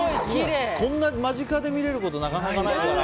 こんな間近で見られることなかなかないから。